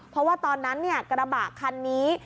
เพราะว่าตอนนั้นกระบะคันนี้